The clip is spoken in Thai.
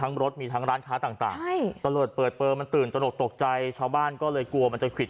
นักสนคุณจะคิด